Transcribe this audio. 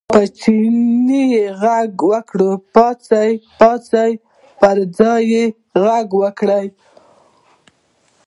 په چیني یې غږ وکړ، پاڅه پاڅه، پر ځان یې غږ وکړ.